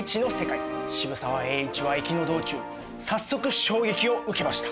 渋沢栄一は行きの道中早速衝撃を受けました。